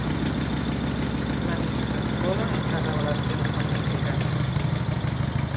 La nit s'escola entre revelacions magnífiques.